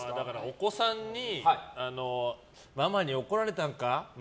お子さんにママに怒られたんか？